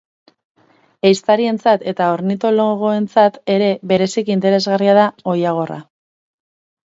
Ehiztarientzat eta ornitologoentzat ere bereziki interesgarria da oilagorra.